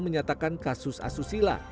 menyatakan kasus asusila